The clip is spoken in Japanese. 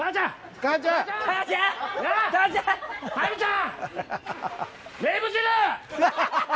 ・母ちゃん！